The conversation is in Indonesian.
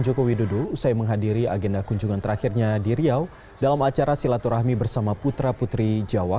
ketika di riau penyelamat joko widodo usai menghadiri agenda kunjungan terakhirnya di riau dalam acara silaturahmi bersama putra putri jawa